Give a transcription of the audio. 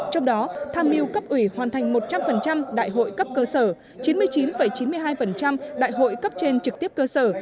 trong đó tham mưu cấp ủy hoàn thành một trăm linh đại hội cấp cơ sở chín mươi chín chín mươi hai đại hội cấp trên trực tiếp cơ sở